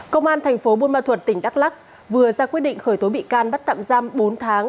công an thành phố buôn ma thuật tỉnh đắk lắc vừa ra quyết định khởi tố bị can bắt tạm giam bốn tháng